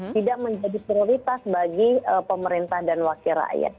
tidak menjadi prioritas bagi pemerintah dan wakil rakyat